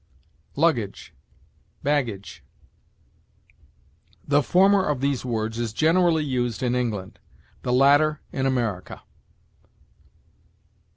LUGGAGE BAGGAGE. The former of these words is generally used in England, the latter in America.